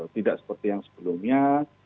tidak seperti yang sebelumnya